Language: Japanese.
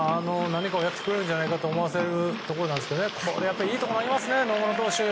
何かをやってくれるんじゃないかと思わせるところですがこれはいいところに投げますね。